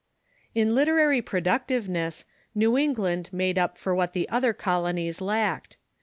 In literary productiveness New England made np for what the other colonies lacked.